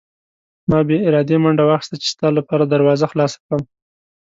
ما بې ارادې منډه واخیسته چې ستا لپاره دروازه خلاصه کړم.